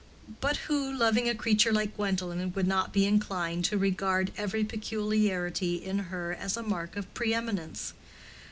But who, loving a creature like Gwendolen, would not be inclined to regard every peculiarity in her as a mark of pre eminence?